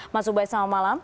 mas ubaid selamat malam